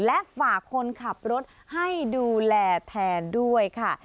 และฝากคนขับรถให้ดูแลแทนด้วยค่ะ